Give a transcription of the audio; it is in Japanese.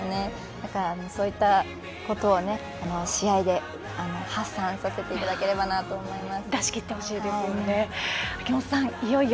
だから、そういったことを試合で発散していただけたらなと思います。